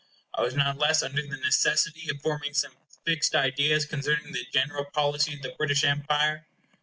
I was not less under the necessity of forming some fixed ideas concerning the general policy of the British Empire.